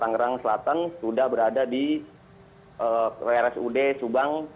tangerang selatan sudah berada di rsud subang